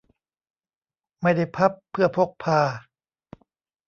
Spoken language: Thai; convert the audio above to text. ไม่ได้พับเพื่อพกพา